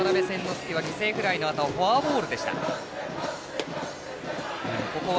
亮は犠牲フライのあとフォアボールでした。